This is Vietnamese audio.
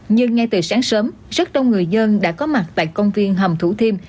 nhưng ngay từ sáng sớm rất đông người dân đã có mặt tại công viên hầm thủ thiêm